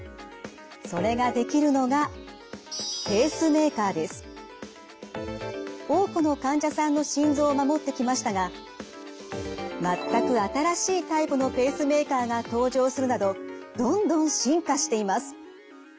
それができるのが多くの患者さんの心臓を守ってきましたがまったく新しいタイプのペースメーカーが登場するなどどんどん進化しています。